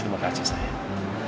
terima kasih sayang